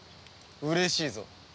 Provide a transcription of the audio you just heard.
うれしいぞ。